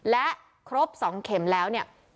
และครบ๒เข็มแล้ว